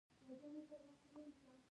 دا مسافر په ښارونو کې ګرځي.